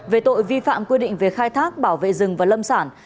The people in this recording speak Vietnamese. về tội vi phạm quy định về khai thác bảo vệ rừng và lâm sản